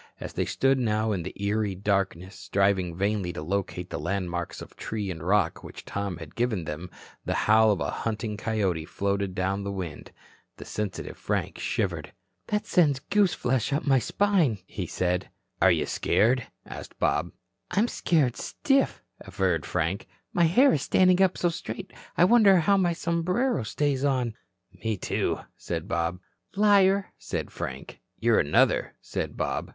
As they stood now in the eerie darkness, striving vainly to locate the landmarks of tree and rock which Tom had given them, the howl of a hunting coyote floated down the wind. The sensitive Frank shivered. "That sends the gooseflesh up my spine," he said. "Are you scared?" asked Bob. "I'm scared stiff," averred Frank. "My hair is standing up so straight I wonder how my sombrero stays on." "Me, too," said Bob. "Liar," said Frank. "You're another," said Bob.